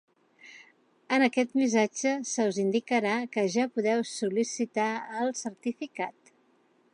En aquest missatge se us indicarà que ja podeu sol·licitar el certificat.